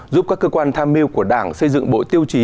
giúp các cơ quan tham mưu của đảng xây dựng bộ tiêu chí